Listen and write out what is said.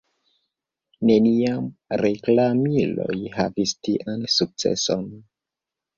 Neniam reklamiloj havis tian sukceson.